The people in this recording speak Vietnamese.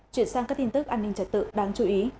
chuyển sang các tin tức an ninh trật tự đáng chú ý